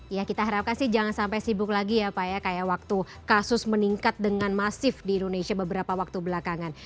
ya kita harapkan sih jangan sampai sibuk lagi ya pak ya kayak waktu kasus meningkat dengan masif di indonesia beberapa waktu belakangan